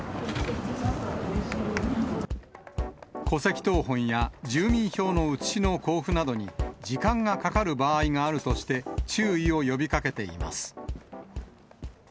戸籍謄本や住民票の写しの交付などに、時間がかかる場合があるとして、注意を呼びかけています。